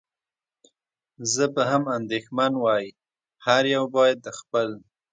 زه به هم اندېښمن وای، هر یو باید د خپل.